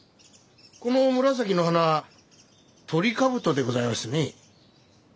この紫の花トリカブトでございますね？